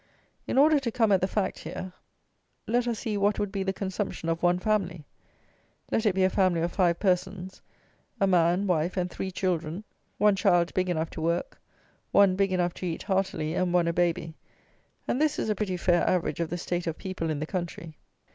In order to come at the fact here, let us see what would be the consumption of one family; let it be a family of five persons; a man, wife, and three children, one child big enough to work, one big enough to eat heartily, and one a baby; and this is a pretty fair average of the state of people in the country.